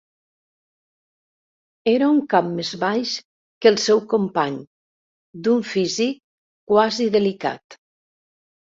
Era un cap més baix que el seu company, d'un físic quasi delicat.